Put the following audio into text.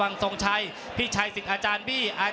รอคะแนนจากอาจารย์สมาร์ทจันทร์คล้อยสักครู่หนึ่งนะครับ